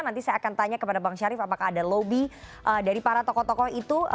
nanti saya akan tanya kepada bang syarif apakah ada lobby dari para tokoh tokoh itu